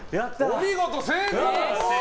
お見事、成功！